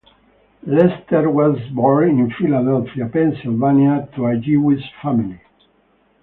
Lester was born in Philadelphia, Pennsylvania, to a Jewish family.